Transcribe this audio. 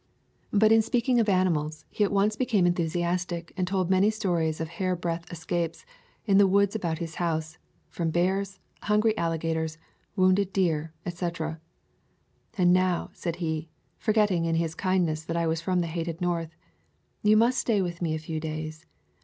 But in speaking of animals, he at once became enthusiastic and told many stories of hairbreadth escapes, in the woods about his house, from bears, hungry alligators, wounded deer, etc. "And now," said he, forgetting in his kindness that I was from the hated North, "you must stay with me a few days.